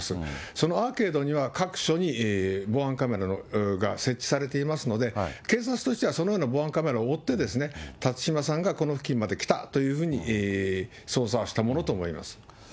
そのアーケードには、各所に防犯カメラが設置されていますので、警察としてはそのような防犯カメラを追って、辰島さんがこの付近まで来たというふうに捜査をしたものと思います。